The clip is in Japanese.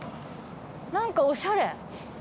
何かおしゃれ。